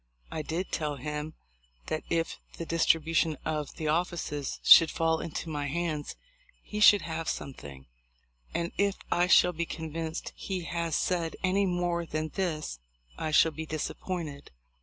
I did tell him that if the distribution of the offices should fall into my hands he should have something; and if I shall be convinced he has said any more than this I shall be disappointed.